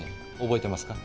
覚えてますか？